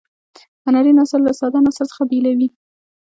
هنري نثر له ساده نثر څخه بیلوي.